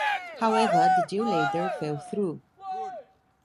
However, the deal later fell through.